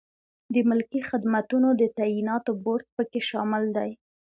د ملکي خدمتونو د تعیناتو بورد پکې شامل دی.